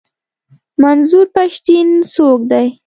منظور پښتين څوک دی؟